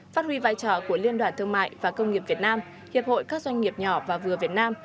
phát huy vai trò của liên đoàn thương mại và công nghiệp việt nam hiệp hội các doanh nghiệp nhỏ và vừa việt nam